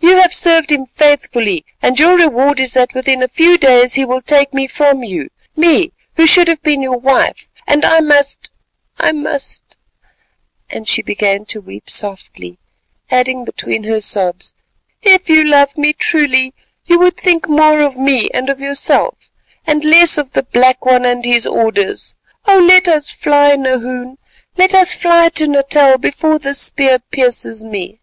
You have served him faithfully, and your reward is that within a few days he will take me from you—me, who should have been your wife, and I must—I must——" And she began to weep softly, adding between her sobs, "if you loved me truly, you would think more of me and of yourself, and less of the Black One and his orders. Oh! let us fly, Nahoon, let us fly to Natal before this spear pierces me."